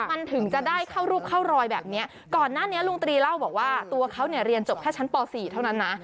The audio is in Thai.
มันถึงจะได้เข้ารูปเข้ารอยแบบนี้ก่อนหน้านี้ลุงตรีเล่าบอกว่าตัวเขาเนี่ยเรียนจบแค่ชั้นป๔เท่านั้นนะ